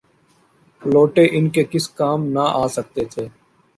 لوٹے ان کے کسی کام نہ آ سکتے تھے۔